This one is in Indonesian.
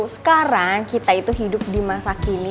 sekarang kita itu hidup di masa kini